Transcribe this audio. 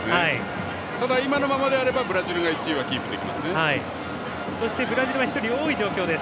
ただ、今のままであればブラジルが１位はキープできます。